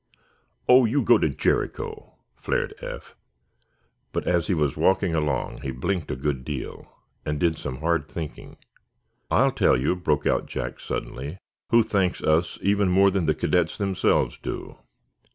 "Oh, you go to Jericho!" flared Eph. But, as he walked along, he blinked a good deal, and did some hard thinking. "I'll tell you," broke out Jack, suddenly, "who thanks us even more than the cadets themselves do."